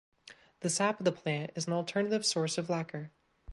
The sap of the plant is an alternative source of lacquer.